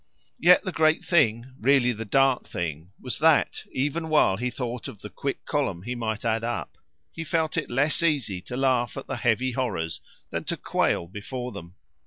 Yet the great thing, really the dark thing, was that, even while he thought of the quick column he might add up, he felt it less easy to laugh at the heavy horrors than to quail before them.